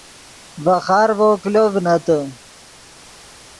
ڤے خارڤو کلو ڤنتے